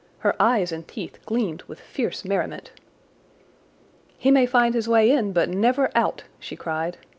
Her eyes and teeth gleamed with fierce merriment. "He may find his way in, but never out," she cried.